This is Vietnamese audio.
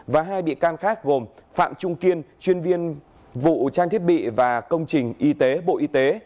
và hai bị can khác gồm phạm trung kiên chuyên viên vụ trang thiết bị và công trình y tế bộ y tế